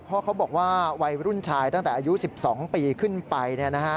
เพราะเขาบอกว่าวัยรุ่นชายตั้งแต่อายุ๑๒ปีขึ้นไป